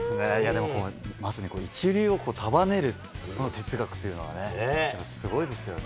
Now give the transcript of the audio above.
でもこれ、まずね、一流を束ねるこの哲学というのはね、すごいですよね。